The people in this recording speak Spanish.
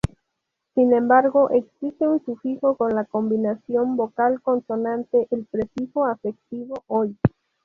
Sin embargo, existe un sufijo con la combinación vocal-consonante, el prefijo afectivo "-oy".